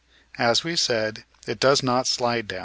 As we said, it does not slide down.